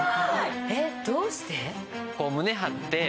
えっどうして？